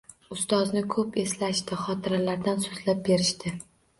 Ustozni ko’p eslashdi, xotiralardan so’zlab berishdi.